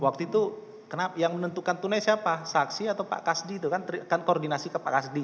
waktu itu kenapa yang menentukan tunai siapa saksi atau pak kasdi itu kan akan koordinasi ke pak kasdi